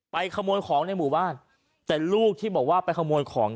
ขโมยของในหมู่บ้านแต่ลูกที่บอกว่าไปขโมยของ